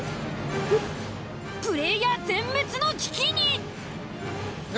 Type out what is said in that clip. プレイヤー全滅の危機に！